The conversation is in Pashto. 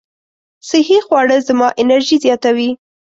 صحي خواړه زما انرژي زیاتوي.